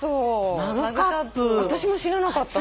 私も知らなかったの。